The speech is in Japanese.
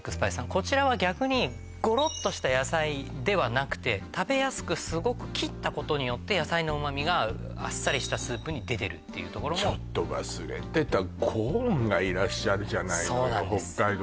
こちらは逆にゴロッとした野菜ではなくて食べやすくすごく切ったことによって野菜の旨味があっさりしたスープに出てるっていうところもちょっと忘れてたコーンがいらっしゃるじゃないのそうなんです北海道